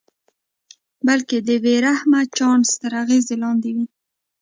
بلکې د بې رحمه چانس تر اغېز لاندې وي.